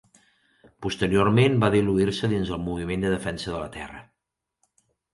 Posteriorment, va diluir-se dins el Moviment de Defensa de la Terra.